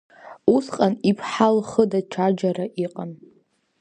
Усҟан иԥҳа лхы даҽаџьара иҟан.